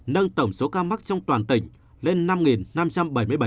nâng tổng số ca mắc trong toàn tỉnh lên năm năm trăm bảy mươi bảy ca